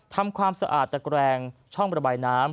ทำความสะอาดตะแกรงช่องระบายน้ำ